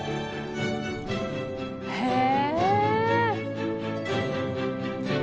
へえ。